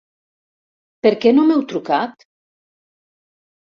Per què no m'heu trucat?